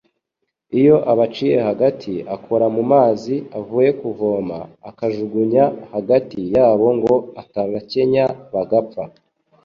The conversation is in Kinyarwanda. iyo abaciye hagati akoramu mazi avuye kuvoma, akajugunya hagati yabo ngo atabakenya bagapfa